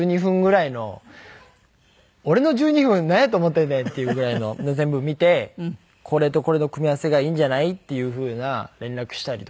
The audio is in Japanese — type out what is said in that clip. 俺の１２分なんやと思ってんねんっていうぐらいのを全部見てこれとこれの組み合わせがいいんじゃない？っていうふうな連絡したりとか。